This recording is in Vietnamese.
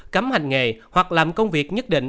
cấm hành nghề hoặc làm công việc nhất định